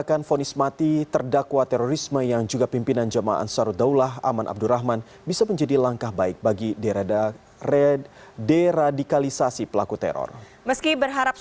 kedua terduga teroris juga pernah mengikuti pelatihan